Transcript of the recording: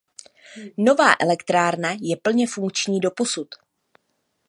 Nová elektrárna je plně funkční doposud.